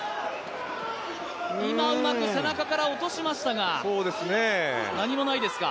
うまく背中から落としましたが何もないですか。